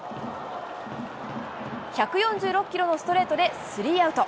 １４６キロのストレートでスリーアウト。